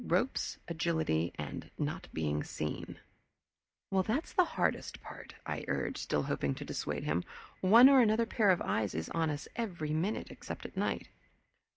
"Ropes, agility, and not being seen." "That's the hardest part," I urged, still hoping to dissuade him. "One or another pair of eyes is on us every minute except at night."